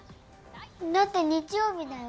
だって日曜日だよ？